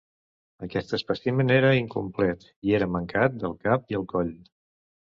Aquest espècimen era incomplet i era mancat del cap i el coll.